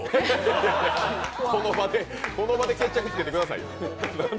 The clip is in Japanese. この場で決着つけてくださいよ。